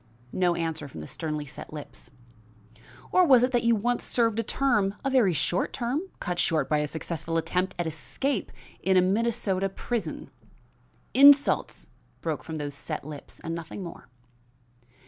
No answer from the sternly set lips. "Or was it that you once served a term a very short term, cut short by a successful attempt at escape in a Minnesota prison?" "Insults!" broke from those set lips and nothing more.